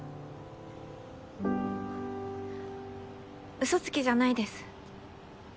うそつきじゃないです。